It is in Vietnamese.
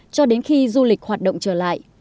cho đến khi du lịch hoạt động trở lại